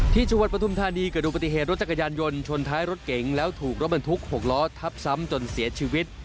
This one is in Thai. จังหวัดปฐุมธานีเกิดดูปฏิเหตุรถจักรยานยนต์ชนท้ายรถเก๋งแล้วถูกรถบรรทุก๖ล้อทับซ้ำจนเสียชีวิต